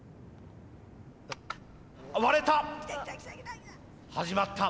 割れた！